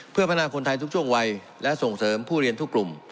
เพื่อพัฒนาคนไทยทุกช่วงวัยและส่งเสริมผู้เรียนทุกกลุ่ม